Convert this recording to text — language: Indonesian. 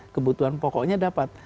kebutuhan pokoknya dapat